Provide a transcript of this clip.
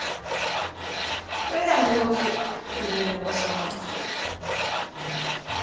それでは梅干しみりんでのばします。